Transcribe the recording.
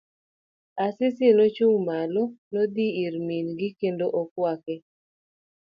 Asisi nochung' malo, nodhi ir min gi kendo okwake.